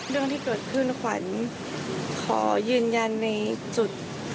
เรื่องที่เกิดขึ้นขวัญขอยืนยันในจุด